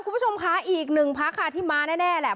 คุณผู้ชมค่ะอีก๑ภักดิ์ที่มาแน่แหละ